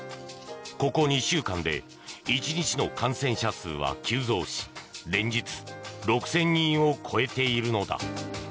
ここ２週間で１日の感染者数は急増し連日６０００人を超えているのだ。